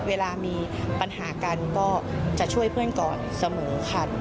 เวลามีปัญหากันก็จะช่วยเพื่อนก่อนเสมอค่ะ